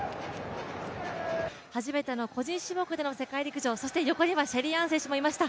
初めての個人種目での世界陸上、そして今、シェリーアン選手も後ろにいました。